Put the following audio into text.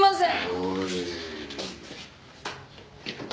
「おい」